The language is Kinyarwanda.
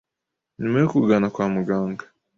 Nyuma yo kugana kwa muganga